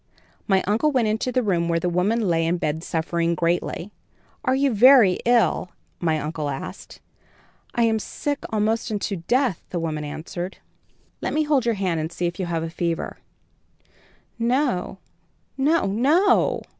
"My uncle went into the room where the woman lay in bed suffering greatly. "'Are you very ill?' my uncle asked. "'I am sick almost unto death,' the woman answered. "'Let me hold your hand and see if you have a fever.' "'No, no, no!'